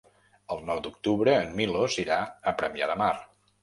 El nou d'octubre en Milos irà a Premià de Mar.